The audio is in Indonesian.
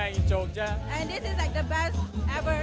night in jogja adalah malam yang luar biasa